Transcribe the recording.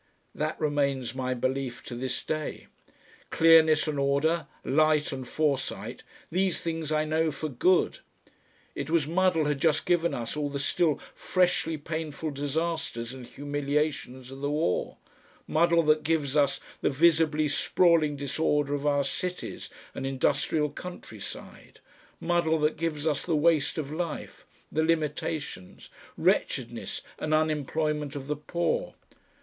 That remains my belief to this day. Clearness and order, light and foresight, these things I know for Good. It was muddle had just given us all the still freshly painful disasters and humiliations of the war, muddle that gives us the visibly sprawling disorder of our cities and industrial country side, muddle that gives us the waste of life, the limitations, wretchedness and unemployment of the poor.